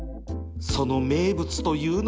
その名物というのが